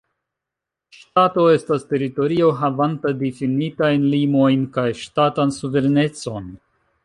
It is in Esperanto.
Ŝtato estas teritorio havanta difinitajn limojn kaj ŝtatan suverenecon.